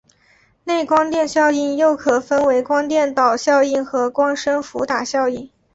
内光电效应又可分为光电导效应和光生伏打效应。